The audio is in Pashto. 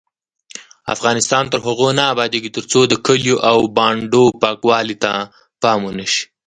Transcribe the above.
افغانستان تر هغو نه ابادیږي، ترڅو د کلیو او بانډو پاکوالي ته پام ونشي.